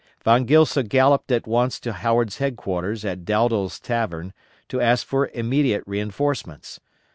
Von Gilsa galloped at once to Howard's Headquarters at Dowdall's Tavern to ask for immediate reinforcements.